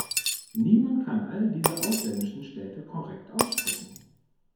Niemand kann all diese ausländischen Städte korrekt aussprechen.